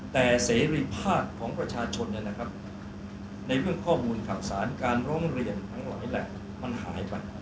แต่เสรีภาพของประชาชนในเรื่องข้อมูลข่าวสารการร้องเรียนทั้งหลายแหละมันหายไป